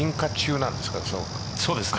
そうですね。